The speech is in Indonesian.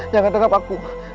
jangan tangkap aku